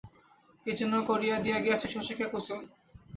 কী যেন করিয়া দিয়া গিয়াছে শশীকে কুসুম।